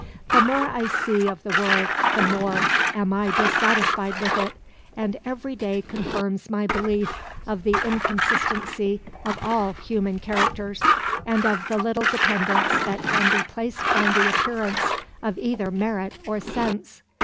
The more I see of the world, the more am I dissatisfied with it; and every day confirms my belief of the inconsistency of all human characters, and of the little dependence that can be placed on the appearance of either merit or sense."